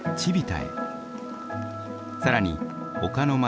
更に丘の街